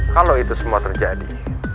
kalau itu semua terjadi